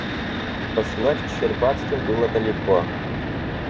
Посылать к Щербацким было далеко.